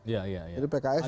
jadi pks bisa